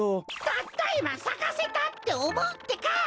たったいまさかせた！っておもうってか！